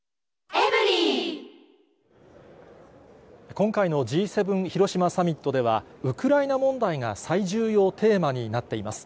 今回のＧ７広島サミットでは、ウクライナ問題が最重要テーマになっています。